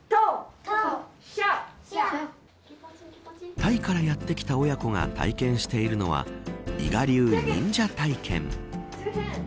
タイからやって来た親子が体験しているのは伊賀流忍者体験。